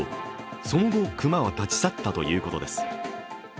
その後、熊は立ち去ったということです。